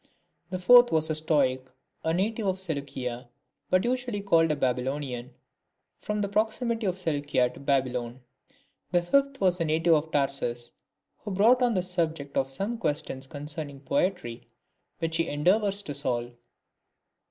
The fourth was a Stoic, a native of Seleucia, but usually called a Baby lonian, from the proximity of Seleucia to Babylon. The fifth was a native of Tarsus, who wrote on the subject of some questions concerning poetry which he endeavours to solve.